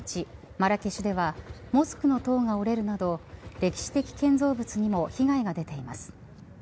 マラケシュではモスクの塔が折れるなど歴史的建造物にも被害が出ています。